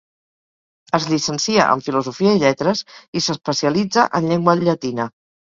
Es llicencia en filosofia i lletres i s'especialitza en llengua llatina.